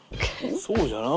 そうじゃな。